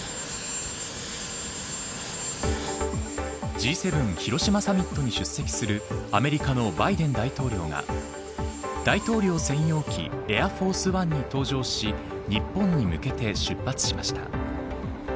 Ｇ７広島サミットに出席するアメリカのバイデン大統領が大統領専用機エアフォースワンに搭乗し日本に向けて出発しました。